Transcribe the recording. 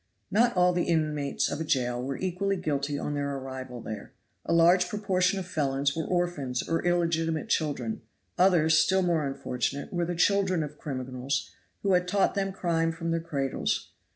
"Not all the inmates of a jail were equally guilty on their arrival there. A large proportion of felons were orphans or illegitimate children; others, still more unfortunate, were the children of criminals who had taught them crime from their cradles.